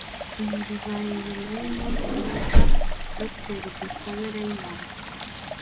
Ibi bibaye nyuma y’umunsi gusa Dr Dusabe Reyomond